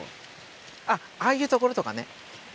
あっああいう所とかね。